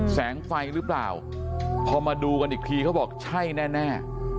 แสงไฟหรือเปล่าพอมาดูกันอีกทีเขาบอกใช่แน่